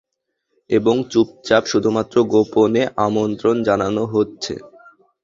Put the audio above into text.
এবং চুপচাপ, শুধুমাত্র গোপনে আমন্ত্রণ জানানো হচ্ছে।